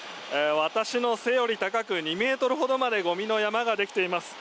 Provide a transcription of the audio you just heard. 私の背より高く、２ｍほどまでゴミの山ができています。